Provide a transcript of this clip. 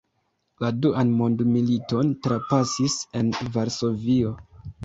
La duan mondmiliton trapasis en Varsovio.